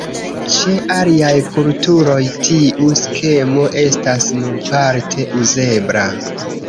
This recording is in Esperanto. Ĉe aliaj kulturoj tiu skemo estas nur parte uzebla.